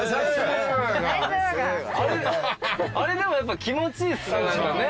あれでもやっぱ気持ちいいっすね。